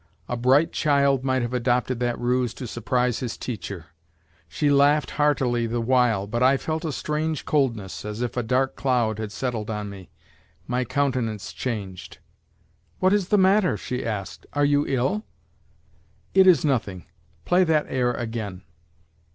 A bright child might have adopted that ruse to surprise his teacher. She laughed heartily the while, but I felt a strange coldness as though a cloud had settled on me; my countenance changed. "What is the matter?" she asked. "Are you ill?" "It is nothing; play that air again."